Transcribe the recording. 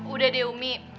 udah deh umi